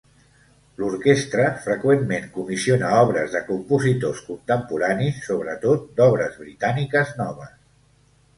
L'orquestra freqüentment comissiona obres de compositors contemporanis, sobretot d'obres britàniques noves.